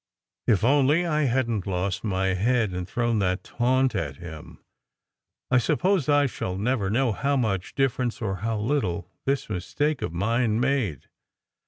If only I hadn t lost my head and thrown that taunt at him! I suppose I shall never know how much difference, or how little, this mistake of mine made.